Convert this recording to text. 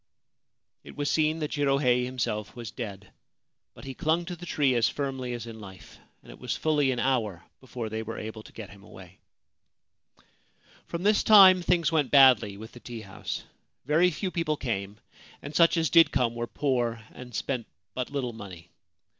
It was seen that Jirohei himself was dead ; but he clung to the tree as firmly as in life, and it was fully an hour before they were able to get him away. 304 The 'Jirohei' Cherry Tree, Kyoto From this time things went badly with the tea house. Very few people came, and such as did come were poor and spent but little money.